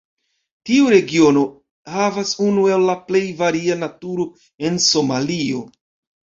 Tiu regiono havas unu el la plej varia naturo en Somalio.